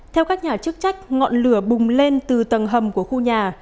theo các nhà chức trách ngọn lửa bùng lên từ tầng hầm của khu nhà